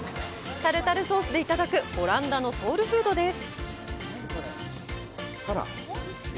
タルタルソースでいただくオランダのソウルフードです。